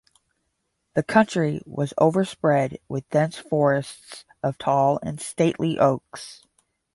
The country was overspread wtih dense forests of tall and stately oaks.